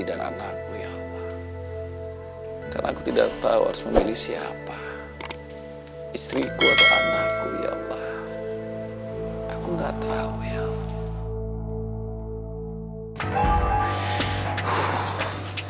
dan anakku ya allah karena aku tidak tahu harus memilih siapa istriku anakku ya allah aku nggak tahu ya allah islike